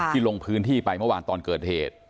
ลงพื้นที่ไปเมื่อวานตอนเกิดเหตุ